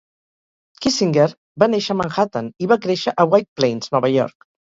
Kissinger va néixer a Manhattan i va créixer a White Plains, Nova York.